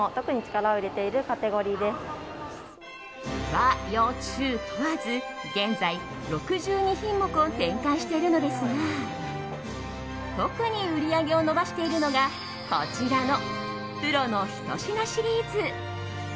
和洋中問わず現在、６２品目を展開しているのですが特に売り上げを伸ばしているのがこちらのプロのひと品シリーズ。